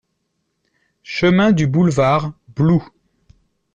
Chemin du Boulevard, Blou